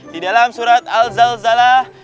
di dalam surat al zalzalah